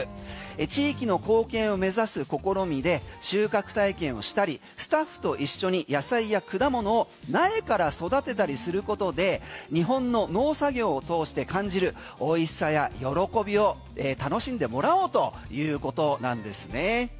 地域の貢献を目指す試みで収穫体験をしたりスタッフと一緒に野菜や果物を育てたりすることで日本の農作業を通して感じる美味しさや喜びを楽しんでもらおうということなんですね。